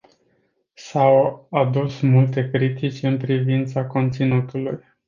S-au adus multe critici în privința conținutului.